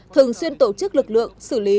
thường xuyên tổ chức lực lượng xử lý